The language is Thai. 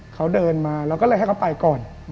เขาเดินมาเราก็เลยให้เขาไปก่อน